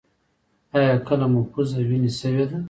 ایا کله مو پوزه وینې شوې ده؟